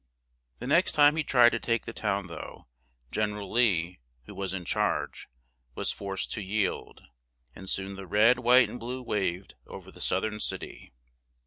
The next time he tried to take the town though, Gen er al Lee, who was in charge, was forced to yield; and soon the red, white and blue waved o ver the South ern cit y.